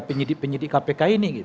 penyidik penyidik kpk ini